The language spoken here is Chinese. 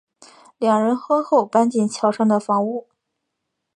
两人婚后搬进桥上的房屋。